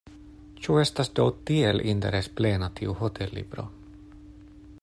Ĉu estas do tiel interesplena tiu hotellibro?